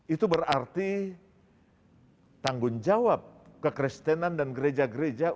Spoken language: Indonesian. itu berarti tanggung jawab kekristenan dan gereja gereja